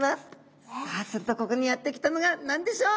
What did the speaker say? さあするとここにやって来たのが何でしょう？